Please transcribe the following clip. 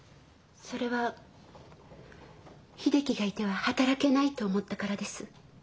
それは秀樹がいては働けないと思ったからです。